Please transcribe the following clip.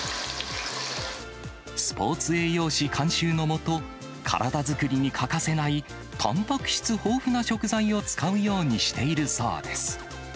スポーツ栄養士監修の下、体作りに欠かせないたんぱく質豊富な食材を使うようにしているそうです。